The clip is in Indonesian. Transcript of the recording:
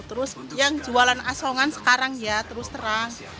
terus yang jualan asongan sekarang ya terus terang